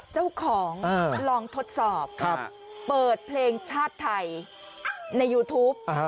เจ้าของลองทดสอบเปิดเพลงชาติไทยในยูทูป